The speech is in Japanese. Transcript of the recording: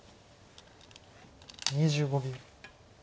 ２５秒。